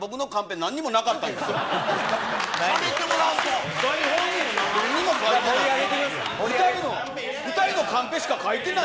何も書いてない。